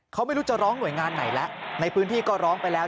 เขาไม่รู้จะร้องหน่วยงานไหนแล้วในพื้นที่ก็ร้องไปแล้ว